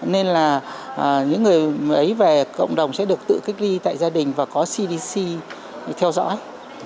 nên là những người ấy về cộng đồng sẽ được tự cách ly tại gia đình và có cdc theo dõi